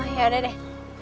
ya udah deh